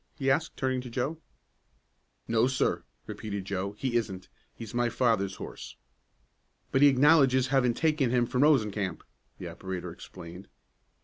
he asked, turning to Joe. "No, sir!" repeated Joe. "He isn't. He's my father's horse." "But he acknowledges having taken him from Rosencamp," the operator explained.